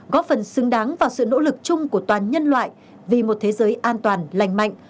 góp phần xứng đáng vào sự nỗ lực chung của toàn nhân loại vì một thế giới an toàn lành mạnh